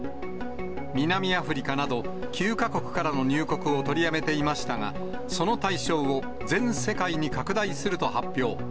南アフリカなど９か国からの入国を取りやめていましたが、その対象を全世界に拡大すると発表。